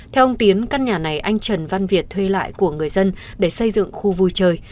theo ông tiến căn nhà này anh trần văn việt thuê lại của người dân để xây dựng khu vui chơi